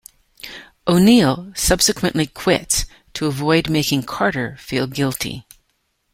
O'Neill subsequently "quits" to avoid making Carter feel guilty.